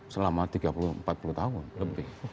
selama tiga puluh empat puluh tahun lebih